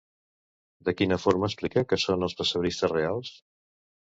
De quina forma explica que són els pessebristes reals?